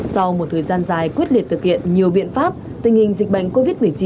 sau một thời gian dài quyết liệt thực hiện nhiều biện pháp tình hình dịch bệnh covid một mươi chín